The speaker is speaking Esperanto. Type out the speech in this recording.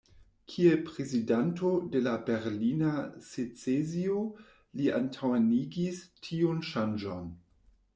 Kiel prezidanto de la Berlina secesio li antaŭenigis tiun ŝanĝon.